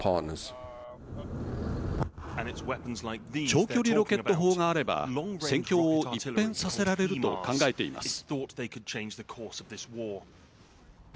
長距離ロケット砲があれば戦況を一変させられると考えています。